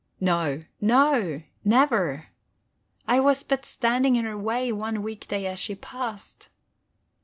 No, no; never! I was but standing in her way one week day as she passed.